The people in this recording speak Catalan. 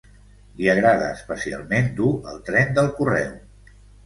Li agrada especialment dur el tren del correu.